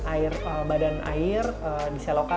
air badan air diselokan